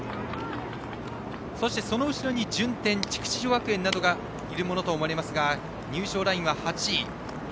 そして、その後ろに順天筑紫女学園などがいるものと思われますが入賞ラインは８位。